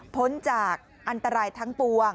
พ้นจากอันตรายทั้งปวง